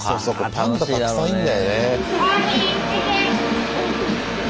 パンダたくさんいるんだよね。